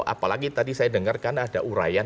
apalagi tadi saya dengerkan ada urayan